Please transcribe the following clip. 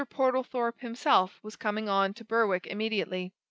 Portlethorpe himself was coming on to Berwick immediately.